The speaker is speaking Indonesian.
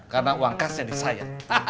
karena uang kas jadi saya